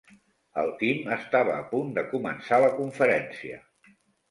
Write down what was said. El Tim estava a punt de començar la conferència.